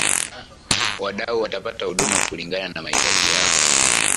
wadau watapata huduma kulingana na mahitaji yao